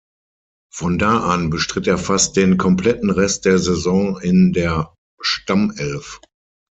Von da an bestritt er fast den kompletten Rest der Saison in der Stammelf.